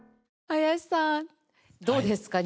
林さんどうですか？